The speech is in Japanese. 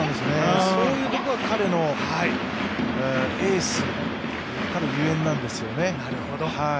そういうところが彼のエースたるゆえんなんですよね。